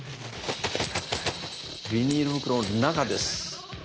ビニール袋の中です！